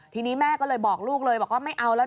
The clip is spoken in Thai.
ทีนี้แม่ก็เลยบอกลูกเลยบอกว่าไม่เอาแล้ว